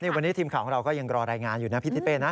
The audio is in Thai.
วันนี้ทีมข่าวของเราก็ยังรอรายงานอยู่นะพี่ทิเป้นะ